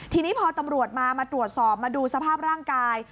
ทีนี้พอตำรวจมามาตรวจสอบมาดูสภาพร่างกาย